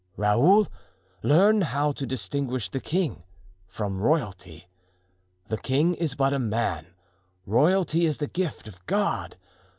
Raoul, learn how to distinguish the king from royalty; the king is but a man; royalty is the gift of God.